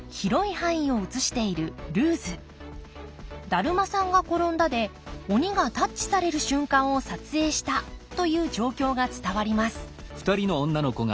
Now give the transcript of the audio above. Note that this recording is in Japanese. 「だるまさんがころんだ」で鬼がタッチされる瞬間を撮影したという状況が伝わります